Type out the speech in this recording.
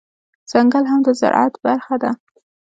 ځنګل هم د زرعت برخه ده